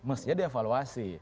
mesti ada evaluasi